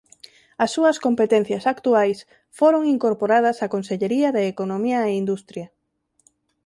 As súas competencias actuais foron incorporadas á Consellería de Economía e Industria.